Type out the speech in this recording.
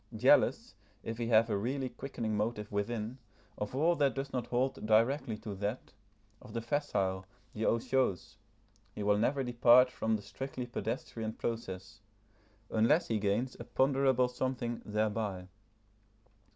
Jealous, if he have a really quickening motive within, of all that does not hold directly to that, of the facile, the otiose, he will never depart from the strictly pedestrian process, unless he gains a ponderable something thereby.